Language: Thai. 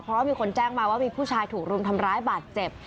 เพราะว่ามีคนแจ้งมาว่ามีผู้ชายถูกรุมทำร้ายบาดเจ็บ